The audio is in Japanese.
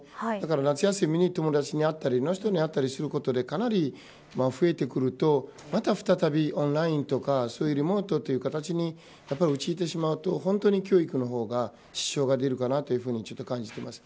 夏休みに友達に会ったりすることでかなり増えてくるとまた再びオンラインとかリモートという形に落ち着いてしまうと教育の方が支障が出るかなと感じています。